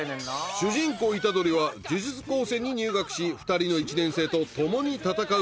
主人公虎杖は呪術高専に入学し２人の１年生と共に戦うことに。